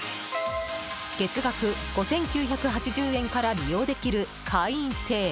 月額５９８０円から利用できる会員制。